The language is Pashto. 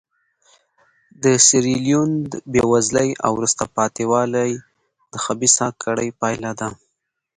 د سیریلیون بېوزلي او وروسته پاتې والی د خبیثه کړۍ پایله ده.